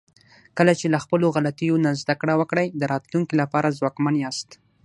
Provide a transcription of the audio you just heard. کله چې له خپلو غلطیو نه زده کړه وکړئ، د راتلونکي لپاره ځواکمن یاست.